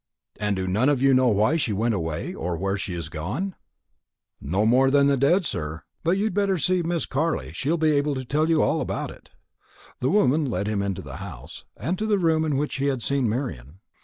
"And do none of you know why she went away, or where she has gone?" "No more than the dead, sir. But you'd better see Miss Carley; she'll be able to tell you all about it." The woman led him into the house, and to the room in which he had seen Marian.